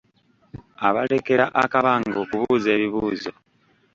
Abalekera akabanga okubuuza ebibuuzo.